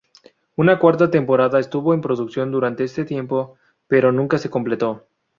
Una cuarta temporada estuvo en producción durante este tiempo, pero nunca se completó.